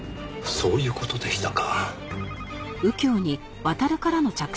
そういう事でしたか。